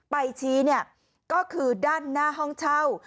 ไปชี้เนี่ยก็คือด้านหน้าห้องเช่า